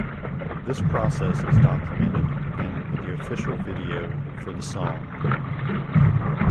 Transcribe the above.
This process is documented in the official video for the song.